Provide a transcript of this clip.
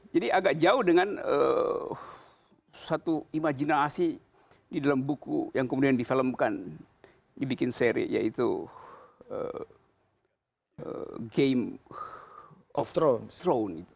jadi agak jauh dengan satu imajinasi di dalam buku yang kemudian di filmkan dibikin seri yaitu game of thrones